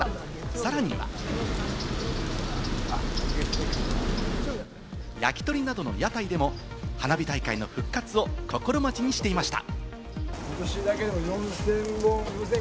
さらには焼き鳥などの屋台でも花火大会の復活を心待ちにしていました。